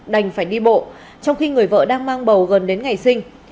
đành phải đi bộ trong khi người vợ đang mang bầu gần đến ngày sinh